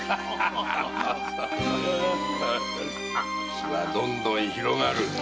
火はどんどん広がる。